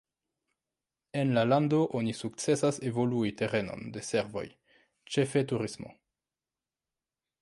En la lando oni sukcesas evolui terenon de servoj, ĉefe turismo.